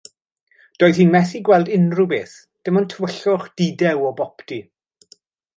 Doedd hi'n methu gweld unrhyw beth, dim ond tywyllwch dudew o boptu.